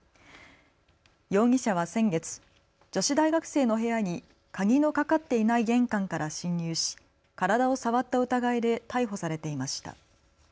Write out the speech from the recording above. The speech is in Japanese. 容疑者は先月、女子大学生の部屋に鍵のかかっていない玄関から侵入し体を触った疑いで逮捕されていました。